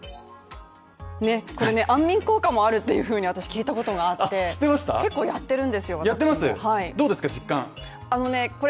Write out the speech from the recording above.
これね安眠効果もあるというふうに私聞いたことがあってやってるんですよ。